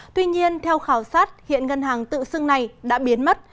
tuy nhiên theo khảo sát hiện ngân hàng tự xưng này đã biến mất